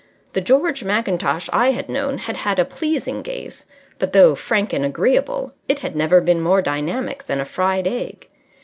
The George Mackintosh I had known had had a pleasing gaze, but, though frank and agreeable, it had never been more dynamic than a fried egg.